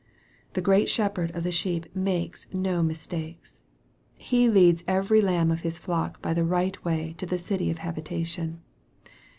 The great Shepherd of the sheep makes no mistakes. He leads every lamb of His flock by the right way to the city of habitation.